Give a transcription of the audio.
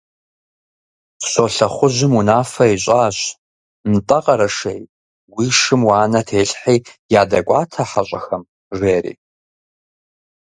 Щолэхъужьым унафэ ищӀащ: «НтӀэ, Къэрэшей, уи шым уанэ телъхьи ядэкӀуатэ хьэщӀэхэм», – жери.